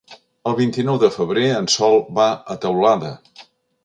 El vint-i-nou de febrer en Sol va a Teulada.